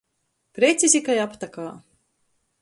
Precizi kai aptykā.